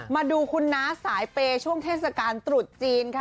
มาดูคุณน้าสายเปย์ช่วงเทศกาลตรุษจีนค่ะ